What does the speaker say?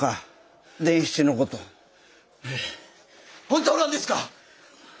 本当なんですか！？